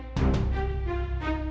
baik ya traveling nulls